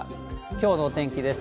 きょうの天気です。